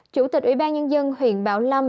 chủ tịch ủy ban nhân dân huyện bảo lâm